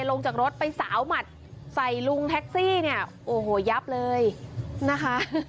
ลงจากรถไปสาวหมัดใส่ลุงแท็กซี่เนี่ยโอ้โหยับเลยนะคะ